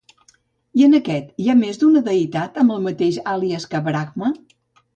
I en aquest, hi ha més d'una deïtat amb el mateix àlies que Brahma?